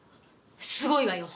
すごいわよ。